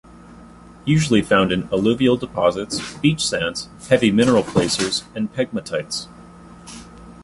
Usually found in alluvial deposits, beach sands heavy mineral placers and pegmatites.